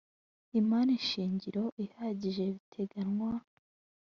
imari shingiro ihagije biteganywa